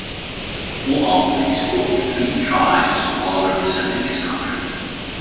All up he scored three tries while representing his country.